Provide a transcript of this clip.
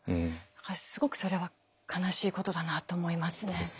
だからすごくそれは悲しいことだなって思いますね。